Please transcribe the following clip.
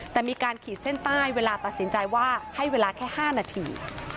แต่มีการขีดเส้นใต้เวลาตัดสินใจว่าให้เวลาแค่๕นาที